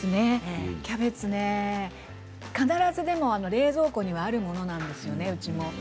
キャベツね必ず冷蔵庫にはあるものなんですよね、うちも。